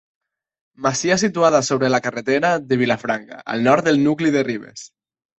Masia situada sobre la carretera de Vilafranca, al nord del nucli de Ribes.